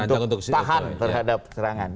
untuk tahan terhadap serangan